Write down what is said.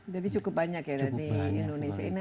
jadi cukup banyak ya dari indonesia ini